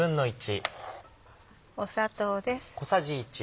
砂糖です。